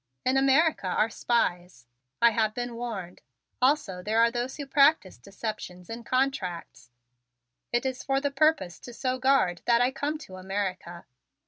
In America are spies. I have been warned. Also there are those who practice deceptions in contracts. It is for the purpose to so guard that I come to America."